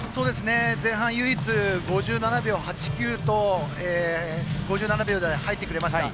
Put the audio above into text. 前半唯一、５７秒８９と５７秒台で入ってくれました。